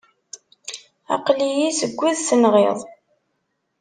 Aqli-yi seg wid-nni tenɣiḍ.